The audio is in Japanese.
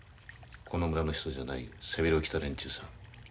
この村の人じゃない背広を着た連中さ。